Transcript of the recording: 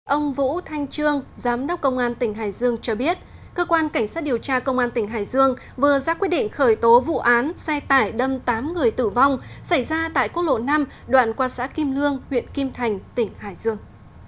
ông vũ thanh trương giám đốc công an tỉnh hải dương cho biết cơ quan cảnh sát điều tra công an tỉnh hải dương vừa ra quyết định khởi tố vụ án xe tải đâm tám người tử vong xảy ra tại quốc lộ năm đoạn qua xã kim lương huyện kim thành tỉnh hải dương